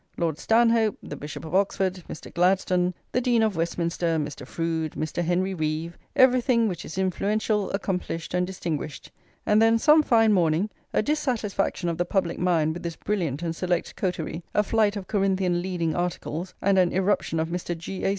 Lord Stanhope, the Bishop of Oxford, Mr. Gladstone, the Dean of Westminster, Mr. Froude, Mr. Henry Reeve, everything which is influential, accomplished, and distinguished; and then, some fine morning, a dissatisfaction of the public mind with this brilliant and select coterie, a flight of Corinthian leading articles, and an irruption of Mr. G. A.